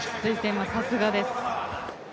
さすがです。